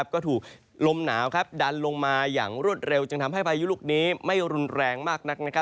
ก็ถูกลมหนาวดันลงมาอย่างรวดเร็วจึงทำให้พายุลูกนี้ไม่รุนแรงมากนัก